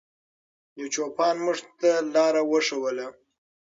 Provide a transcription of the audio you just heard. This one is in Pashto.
یو چوپان موږ ته لاره وښودله.